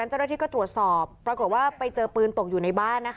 ดิฉันมีหลักฐานและมีพยานเยอะมาก